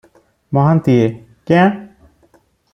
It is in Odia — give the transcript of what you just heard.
ମହାନ୍ତିଏ- କ୍ୟାଁ?